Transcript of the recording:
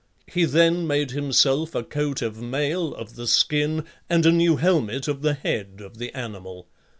He then made himself a coat of mail of the skin, and a new helmet of the head of the animal.